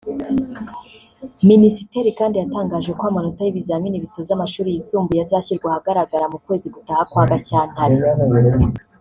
Minisiteri kandi yatangaje ko amonota y’ibizamini bisoza amashuri yisumbuye azashyirwa ahagaragara mu kwezi gutaha kwa Gashyantare